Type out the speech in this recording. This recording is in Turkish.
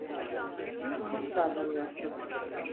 Tuhaf davranıyorsun.